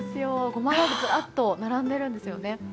ゴマがずらっと並んでいるんですよね。